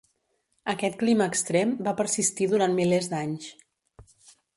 Aquest clima extrem va persistir durant milers d'anys.